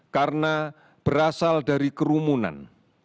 karena berasal dari kerumunan